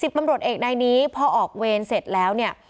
ตำรวจเอกนายนี้พอออกเวรเสร็จแล้วเนี่ย